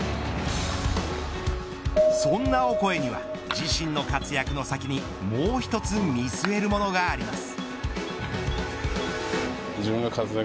そんなオコエには自身の活躍の先にもう１つ見据えるものがあります。